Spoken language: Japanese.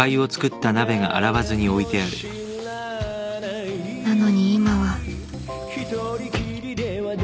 なのに今は